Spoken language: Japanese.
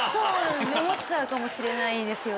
思っちゃうかもしれないですよね。